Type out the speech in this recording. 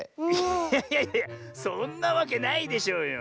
いやいやいやそんなわけないでしょうよ。